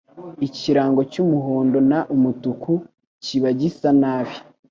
ikirango cyumuhondo n umutuku kiba gisa nabi